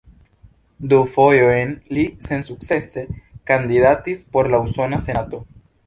Du fojojn li sensukcese kandidatis por la Usona Senato.